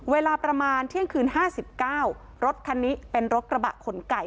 เวลาประมาณเที่ยงคืน๕๙รถคันนี้เป็นรถกระบะขนไก่